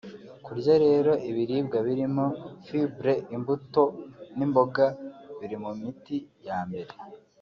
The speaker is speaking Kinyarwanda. Kurya rero ibiribwa birimo fibre; imbuto n’imboga biri mu miti ya mbere